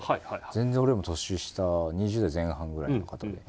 全然俺よりも年下２０代前半ぐらいの方で。